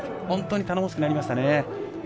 本当に頼もしくなりましたね。